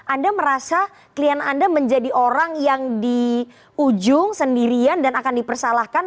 anda merasa klien anda menjadi orang yang di ujung sendirian dan akan dipersalahkan